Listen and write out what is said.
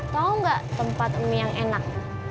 tau gak tempat mie yang enak